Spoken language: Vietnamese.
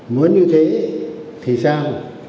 muốn như thế thì sao